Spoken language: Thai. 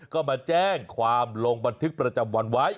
ก็มาแจ้งความลงบันทึกประจำวันไว้